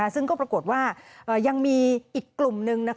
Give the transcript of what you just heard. ซึ่งก็ปรากฏว่ายังมีอีกกลุ่มหนึ่ง